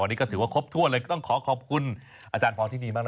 นี่ก็ถือว่าครบถ้วนเลยต้องขอขอบคุณอาจารย์พรที่นี่มาก